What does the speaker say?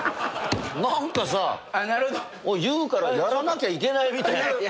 何かさ言うからやらなきゃいけないみたい。